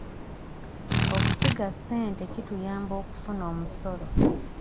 Okusiga ssente kituyamba okufuna omusolo.